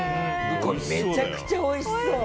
これめちゃくちゃ美味しそう。